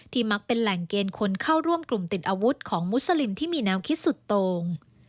มักเป็นแหล่งเกณฑ์คนเข้าร่วมกลุ่มติดอาวุธของมุสลิมที่มีแนวคิดสุดตรง